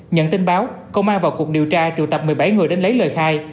nhận tin báo công an vào cuộc điều tra triệu tập một mươi bảy người đến lấy lời khai